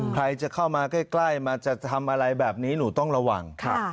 ใครจะเข้ามาใกล้มาจะทำอะไรแบบนี้หนูต้องระวัง